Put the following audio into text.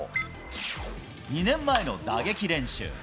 ２年前の打撃練習。